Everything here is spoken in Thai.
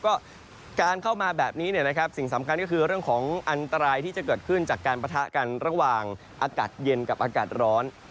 ก็การเข้ามาแบบนี้สิ่งสำคัญก็คือเรื่องของอันตรายที่จะเกิดขึ้นจากการปะทะกันระหว่างอากาศเย็นกับอากาศร้อน